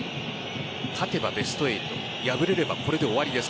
勝てばベスト８敗れればこれで終わりです